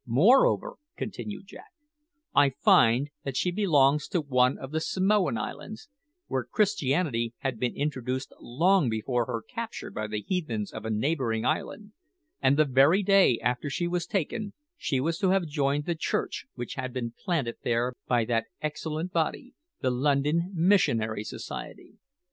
"Moreover," continued Jack, "I find that she belongs to one of the Samoan Islands, where Christianity had been introduced long before her capture by the heathens of a neighbouring island; and the very day after she was taken she was to have joined the church which had been planted there by that excellent body, the London Missionary Society.